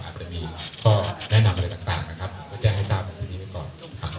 อาจจะมีข้อแนะนำอะไรต่างนะครับก็แจ้งให้ทราบอันตรีดีไปก่อน